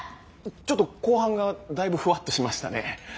ちょっと後半がだいぶフワッとしましたね。